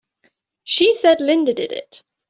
She said Linda did it!